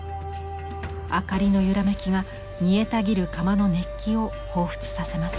明かりの揺らめきが煮えたぎる釜の熱気をほうふつさせます。